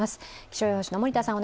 気象予報士の森田さん